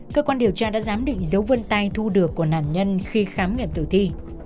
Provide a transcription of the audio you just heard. cơ quan điều tra đã giám định dấu vân tay thu được của nạn nhân khi khám nghiệm tử thi